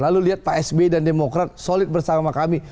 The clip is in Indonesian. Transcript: lalu lihat psb dan demokrat solid bersama kami